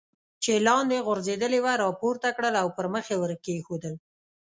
چې لاندې غورځېدلې وه را پورته کړل او پر مخ یې ور کېښودل.